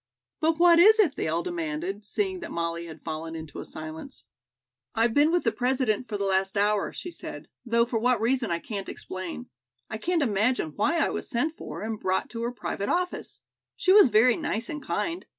"But what is it?" they all demanded, seeing that Molly had fallen into a silence. "I've been with the President for the last hour," she said, "though for what reason I can't explain. I can't imagine why I was sent for and brought to her private office. She was very nice and kind.